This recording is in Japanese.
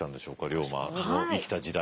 龍馬の生きた時代。